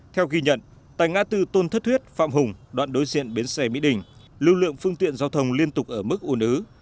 theo ghi nhận tại ngã tư tôn thất thuyết phạm hùng đoạn đối diện bến xe mỹ đình lưu lượng phương tiện giao thông liên tục ở mức ủn ứ